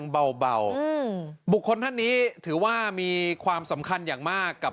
เบาบุคคลท่านนี้ถือว่ามีความสำคัญอย่างมากกับ